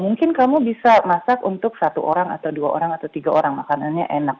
mungkin kamu bisa masak untuk satu orang atau dua orang atau tiga orang makanannya enak